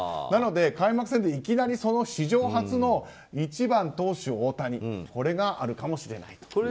なので、開幕戦でいきなりその史上初の１番投手・大谷これがあるかもしれないと。